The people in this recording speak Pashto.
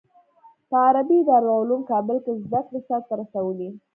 په عربي دارالعلوم کابل کې زده کړې سر ته رسولي.